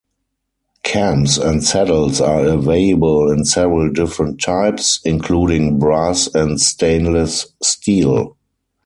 Cams and saddles are available in several different types, including brass and stainless steel.